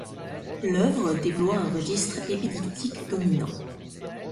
L'œuvre déploie un registre épidictique dominant.